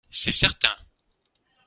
C’est certain